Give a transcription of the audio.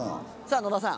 野田さん。